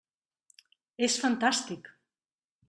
És fantàstic!